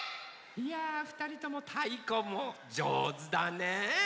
いやふたりともたいこもじょうずだね。